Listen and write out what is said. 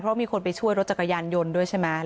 เพราะมีคนไปช่วยรถจักรยานยนต์ด้วยใช่ไหม